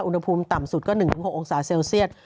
อุณหภูมิต่ำสุดก็๑๖องศาเซลเซียต